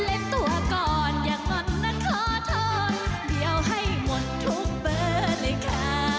ตัวก่อนอย่างเงินนั้นขอทอนเดี๋ยวให้หมดทุกเบอร์เลยค่ะ